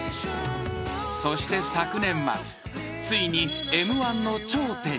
［そして昨年末ついにＭ−１の頂点に］